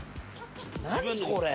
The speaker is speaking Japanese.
何これ！？